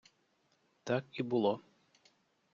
Так і було.